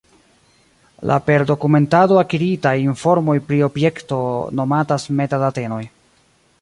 La per dokumentado akiritaj informoj pri objekto nomatas meta-datenoj.